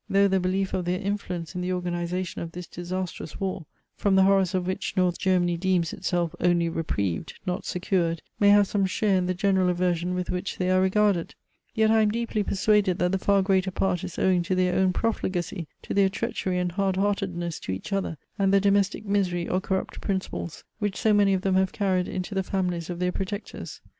Though the belief of their influence in the organization of this disastrous war (from the horrors of which, North Germany deems itself only reprieved, not secured,) may have some share in the general aversion with which they are regarded: yet I am deeply persuaded that the far greater part is owing to their own profligacy, to their treachery and hardheartedness to each other, and the domestic misery or corrupt principles which so many of them have carried into the families of their protectors.